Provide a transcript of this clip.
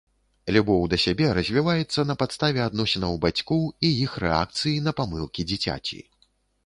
Любоў да сябе развіваецца на падставе адносінаў бацькоў і іх рэакцыі на памылкі дзіцяці.